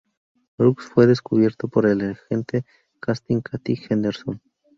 Brooks fue descubierto por el agente de casting Kathy Henderson.